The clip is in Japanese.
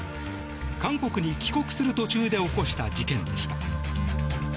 韓国に帰国する途中で起こした事件でした。